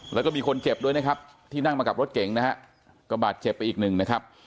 แล้วก็มีคนเจ็บด้วยนะครับที่นั่งมากับรถเก่งนะฮะก็บาดเจ็บไปอีกหนึ่งนะครับ